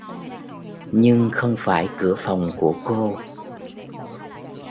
Nhưng không phải cửa phòng của cô